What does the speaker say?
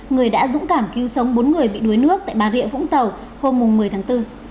người đã dũng cảm cứu sống bốn người bị đuối nước tại bà rịa vũng tàu hôm một mươi tháng bốn